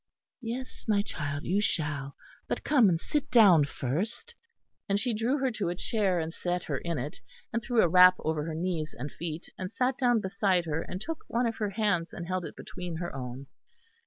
"Yes, my child, you shall; but come and sit down first," and she drew her to a chair and set her in it, and threw a wrap over her knees and feet; and sat down beside her, and took one of her hands, and held it between her own.